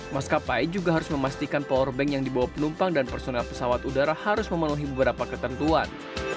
maskapai juga harus memastikan powerbank yang dibawa penumpang dan personel pesawat udara harus memenuhi beberapa ketentuan